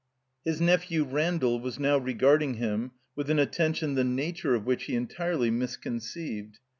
His nephew, Randall, was now regarding him with an attention the nature of which he entirely mis conceived.